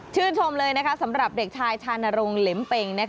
ชื่นชมเลยนะคะสำหรับเด็กชายชานรงเหลมเป็น